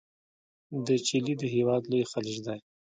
د چیلي د هیواد لوی خلیج دی.